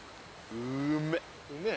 ・うめえ？